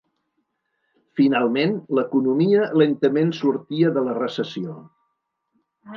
Finalment, l'economia lentament sortia de la recessió.